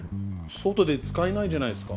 外で使えないじゃないですか。